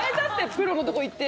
プロのところ行って。